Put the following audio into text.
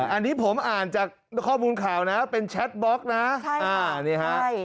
อันนี้ผมอ่านจากข้อมูลข่าวนะเป็นแชทบล็อกนะ